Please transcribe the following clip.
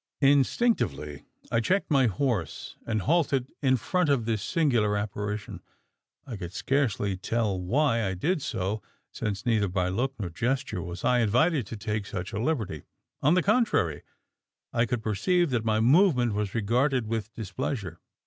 Instinctively I checked my horse, and halted in front of this singular apparition. I can scarcely tell why I did so; since neither by look nor gesture was I invited to take such a liberty. On the contrary, I could perceive that my movement was regarded with displeasure.